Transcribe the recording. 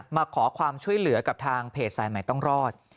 มาขอความช่วยเหลือกับทางเพจสายใหม่ต้องรอด